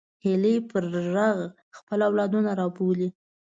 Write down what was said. هیلۍ پر غږ خپل اولادونه رابولي